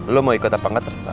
lo mau ikut apa enggak terserah